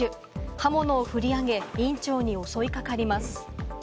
刃物をふり上げ、院長に襲いかかります。